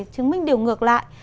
chứng minh điều ngược lại